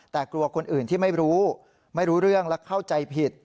แต่กลัวคนอื่นที่ไม่รู้ไม่รู้เรื่องและเข้าใจผิด